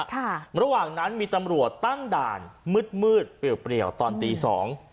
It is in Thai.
ระหว่างนั้นมีตำรวจตั้งด่านมืดมืดเปรียเปรียวตอนตีสอง